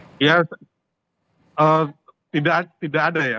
saya tidak ada ya